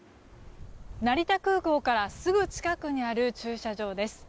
成田空港からすぐ近くにある駐車場です。